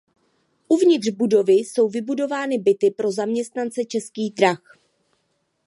Uvnitř budovy jsou vybudovány byty pro zaměstnance Českých drah.